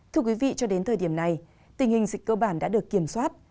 thưa quý vị cho đến thời điểm này tình hình dịch cơ bản đã được kiểm soát